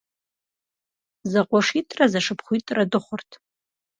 ЗэкъуэшитӀрэ зэшыпхъуитӀрэ дыхъурт.